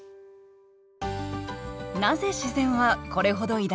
なぜ自然はこれほど偉大なのか？